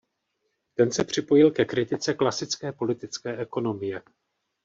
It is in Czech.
Ten se připojil ke kritice klasické politické ekonomie.